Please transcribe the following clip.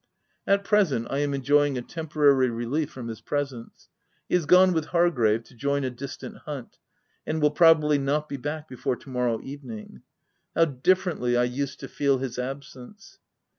At present, I am enjoying a temporary relief from his presence : he is gone with Hargrave to join a distant hunt, and will probably not be back before to morrow evening. How dif ferently I used to feel his absence